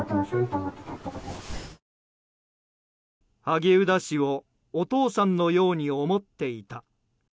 萩生田氏をお父さんのように思っていた。